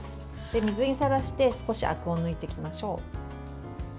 水にさらして少しあくを抜いていきましょう。